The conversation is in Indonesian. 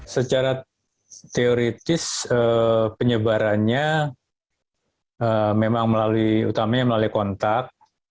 secara teoritis penyebarannya memang melalui kontak